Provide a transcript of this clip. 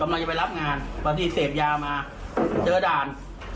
กำลังจะไปรับงานบางทีเสพยามาเจอด่าน